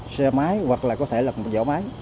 xe máy hoặc là có thể là dõi máy